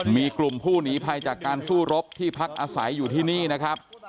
มีกลุ่มผู้หนีภัยจากการสู้รบที่พักอาศัยอยู่ที่นี่นะครับ